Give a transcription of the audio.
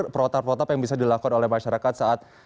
prototap prototap yang bisa dilakukan oleh masyarakat saat